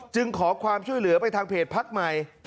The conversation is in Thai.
ขอความช่วยเหลือไปทางเพจพักใหม่